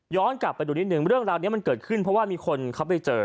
กลับไปดูนิดนึงเรื่องราวนี้มันเกิดขึ้นเพราะว่ามีคนเขาไปเจอ